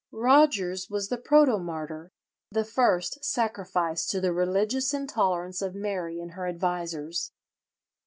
Rogers was the protomartyr—the first sacrificed to the religious intolerance of Mary and her advisers.